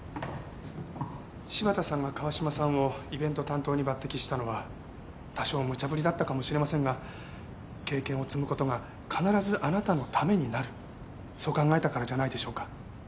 柴田さんが川嶋さんをイベント担当に抜擢したのは多少むちゃぶりだったかもしれませんが経験を積む事が必ずあなたのためになるそう考えたからじゃないでしょうか。